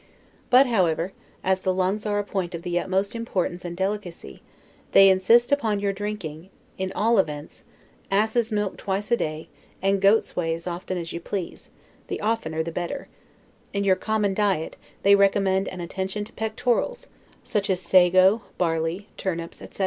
But, however, as the lungs are a point of the utmost importance and delicacy, they insist upon your drinking, in all events, asses' milk twice a day, and goats' whey as often as you please, the oftener the better: in your common diet, they recommend an attention to pectorals, such as sago, barley, turnips, etc.